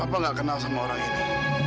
apa nggak kenal sama orang ini